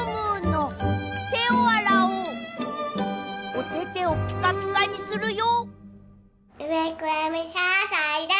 おててをピカピカにするよ。